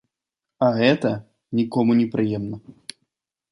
А гэта нікому не прыемна.